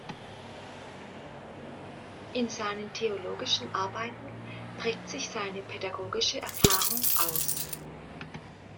In seinen theologischen Arbeiten prägt sich seine pädagogische Erfahrung aus.